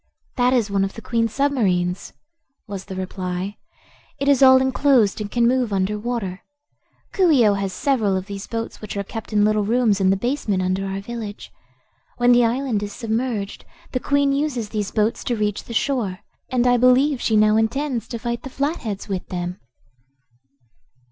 "That is one of the Queen's submarines," was the reply. "It is all enclosed, and can move under water. Coo ee oh has several of these boats which are kept in little rooms in the basement under our village. When the island is submerged, the Queen uses these boats to reach the shore, and I believe she now intends to fight the Flatheads with them."